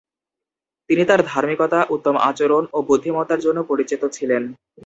তিনি তার ধার্মিকতা, উত্তম আচরণ ও বুদ্ধিমত্তার জন্য পরিচিত ছিলেন।